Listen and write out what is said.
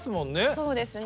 そうですね。